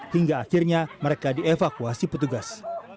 hingga akhirnya mereka dievakuasi petugas